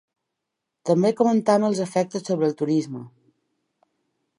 També comentem els efectes sobre el turisme.